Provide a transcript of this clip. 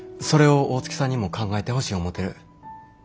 それを大月さんにも考えてほしい思てる。